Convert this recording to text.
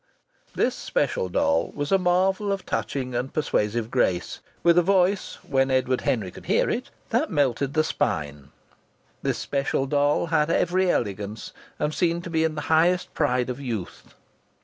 This special doll was a marvel of touching and persuasive grace, with a voice when Edward Henry could hear it that melted the spine. This special doll had every elegance and seemed to be in the highest pride of youth.